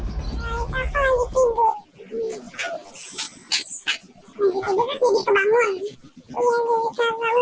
saya takut lagi tidur